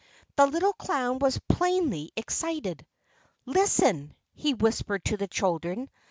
The little clown was plainly excited. "Listen," he whispered to the children.